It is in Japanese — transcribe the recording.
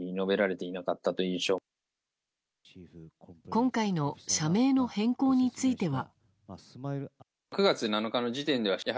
今回の社名の変更については。